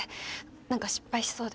何か失敗しそうで。